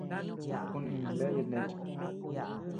Kuninun bea yatneachea.